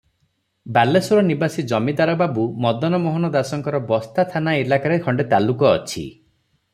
ବାଲେଶ୍ୱର ନିବାସୀ ଜମିଦାର ବାବୁ ମଦନ ମୋହନ ଦାସଙ୍କର ବସ୍ତା ଥାନା ଇଲାକାରେ ଖଣ୍ଡେ ତାଲୁକ ଅଛି ।